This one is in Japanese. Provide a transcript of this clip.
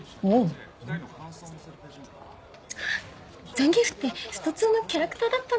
ザンギエフって『ストⅡ』のキャラクターだったんだ！？